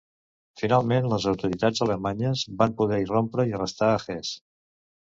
Finalment, les autoritats alemanyes van poder irrompre i arrestar a Hess.